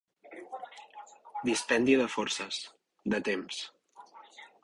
Dispendi de forces, de temps.